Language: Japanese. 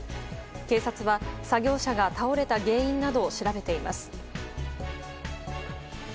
警察は作業車が倒れた原因などを調べています。